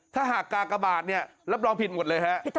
ถ้าหากกากบาทเนี่ยรับรองผิดหมดเลยฮะ